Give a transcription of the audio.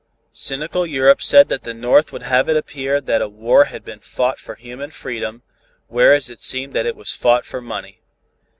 Cynical Europe said that the North would have it appear that a war had been fought for human freedom, whereas it seemed that it was fought for money.